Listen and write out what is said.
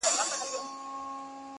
ګل دي کم لاچي دي کم لونګ دي کم.!